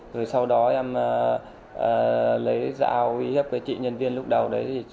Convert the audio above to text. rồi sau đó em lấy dao uy hiếp với chị nhân viên lúc đầu đấy